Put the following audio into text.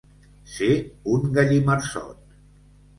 Ser un gallimarsot.